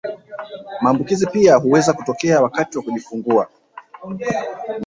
Maambukizi pia huweza kutokea wakati wa kujifungua